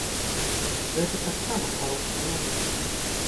Гэта таксама харошая норма.